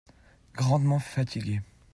Grandement fatigué.